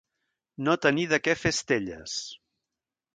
No tenir de què fer estelles.